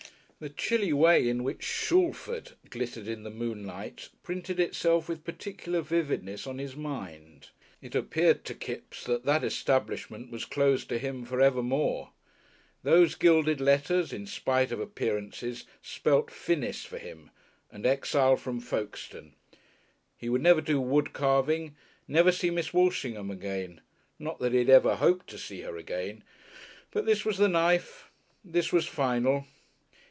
The chilly way in which "Shalford" glittered in the moonlight printed itself with particular vividness on his mind. It appeared to Kipps that that establishment was closed to him for evermore. Those gilded letters, in spite of appearances, spelt FINIS for him and exile from Folkestone. He would never do wood carving, never see Miss Walshingham again. Not that he had ever hoped to see her again. But this was the knife, this was final.